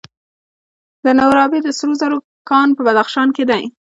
د نورابې د سرو زرو کان په بدخشان کې دی.